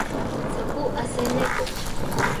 Sapú asé ne ko.